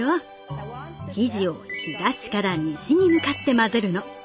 生地を東から西に向かって混ぜるの。